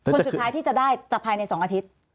คนสุดท้ายที่จะได้จะภายใน๒อาทิตย์